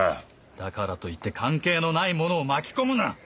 だからといって関係のない者を巻き込むな！